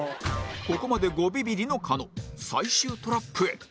ここまで５ビビリの狩野最終トラップへ